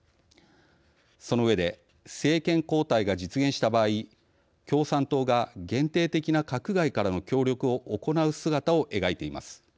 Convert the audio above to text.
その上で政権交代が実現した場合共産党が限定的な閣外からの協力を行う姿を描いています。